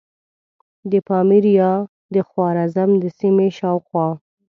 د پامیر یا د خوارزم د سیمې شاوخوا.